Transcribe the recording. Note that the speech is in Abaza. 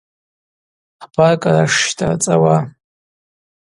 Абар кӏара шщтӏарцӏауа.